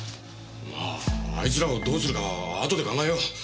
まああいつらをどうするかはあとで考えよう。